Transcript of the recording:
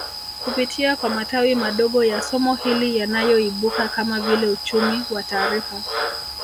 Kupitia kwa matawi madogo ya somo hili yanayoibuka kama vile uchumi wa taarifa